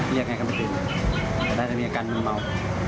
เรียกไงกันไปตื่นอย่าได้จะมีอาการมันเมา